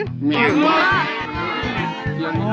เหมือนกัน